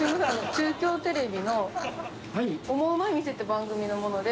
中京テレビのオモウマい店」って番組の者で。